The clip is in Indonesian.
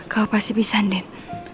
kau pasti bisa nen